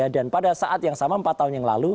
dan pada saat yang sama empat tahun yang lalu